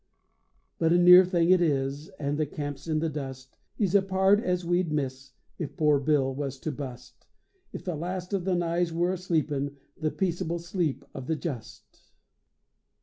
But a near thing it is, And the camp's in the dust. He's a pard as we'd miss If poor Bill was to bust— If the last of the Nyes were a sleepin the peaceable sleep of the just.